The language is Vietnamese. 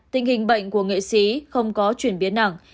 tình hình bệnh của nghệ sĩ không có chuyển biến nặng